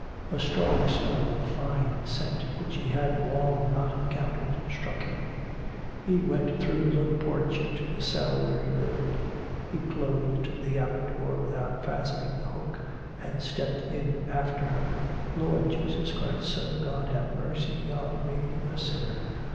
A strong smell of fine scent, which he had long not encountered, struck him. She went through the little porch into the cell where he lived. He closed the outer door without fastening the hook, and stepped in after her. 'Lord Jesus Christ, Son of God, have mercy on me a sinner!